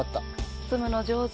包むの上手。